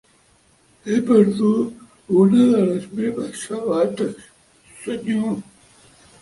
He perdut una de les meves sabates, senyor.